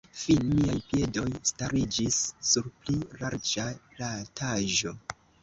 Fine miaj piedoj stariĝis sur pli larĝa plataĵo.